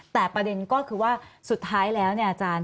แต่ประเด็นก็คือว่าสุดท้ายแล้วเนี่ยอาจารย์